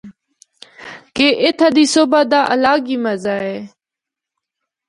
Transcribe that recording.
کہ اِتھا دی صبح دا الگ ای مزہ اے۔